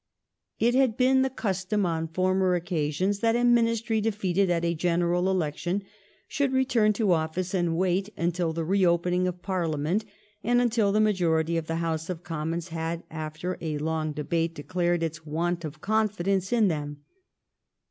It had been the custom on former occasions that a Ministry defeated at a general election should return to ofiice and wait until the reopening of Parliament and until the majority of the House of Commons had, after a long debate, declared its want of confidence in them.